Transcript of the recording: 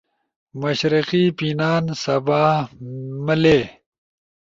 مشرقی پینان، سباہ ملے